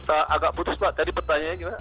agak putus pak tadi pertanyaannya gimana